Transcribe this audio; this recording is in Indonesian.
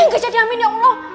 enggak jadi amin ya allah